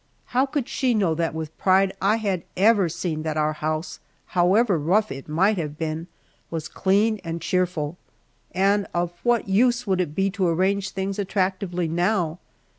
How could she know that with pride I had ever seen that our house, however rough it might have been, was clean and cheerful. And of what use would it be to arrange things attractively now?